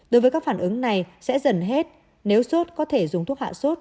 đối với các phản ứng này sẽ dần hết nếu sốt có thể dùng thuốc hạ sốt